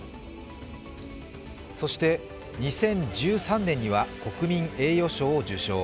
そして、２０１３年には国民栄誉賞を受賞。